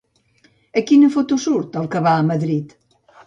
A quina foto surt el que va a Madrid?